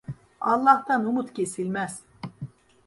Allah'tan umut kesilmez.